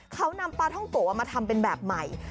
เขานำปลาท่องโกะมาทำเป็นแบบใหม่